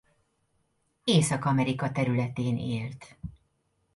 Észak-Amerika területén élt.